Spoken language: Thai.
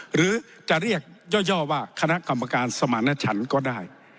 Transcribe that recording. หรือจะเรียกย่อว่าคณะกรรมการสมารณชันก็ได้